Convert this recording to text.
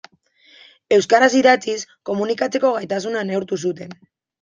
Euskaraz idatziz komunikatzeko gaitasuna neurtu zuten.